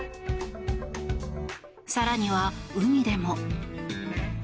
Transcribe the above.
更には海でも。